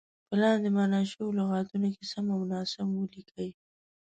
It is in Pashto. په لاندې معنا شوو لغتونو کې سم او ناسم ولیکئ.